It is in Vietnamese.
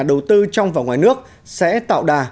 đầu tư trong và ngoài nước sẽ tạo đà